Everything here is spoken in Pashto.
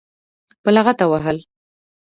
په لغته وهل.